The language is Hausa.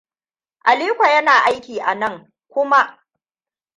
Aliko yana aiki anan, kuma.